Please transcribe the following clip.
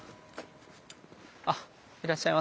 あっいらっしゃいますね人が。